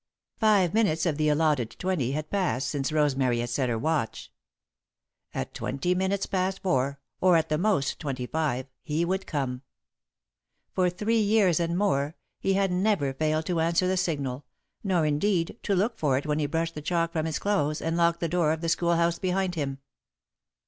Five minutes of the allotted twenty had passed since Rosemary had set her watch. At twenty minutes past four, or, at the most, twenty five, he would come. For three years and more he had never failed to answer the signal, nor, indeed, to look for it when he brushed the chalk from his clothes and locked the door of the schoolhouse behind him.